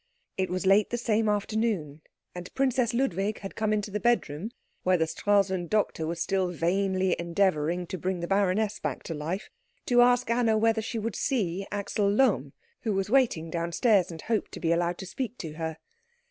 It was late the same afternoon, and Princess Ludwig had come into the bedroom where the Stralsund doctor was still vainly endeavouring to bring the baroness back to life, to ask Anna whether she would see Axel Lohm, who was waiting downstairs and hoped to be allowed to speak to her.